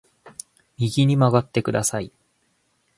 右に曲がってください